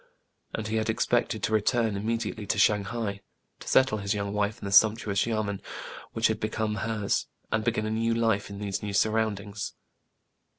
And he had expected to return im mediately to Shang hai, to settle his young wife in the sumptuous yamen which had become hers, and begin a new life in these new surroundings.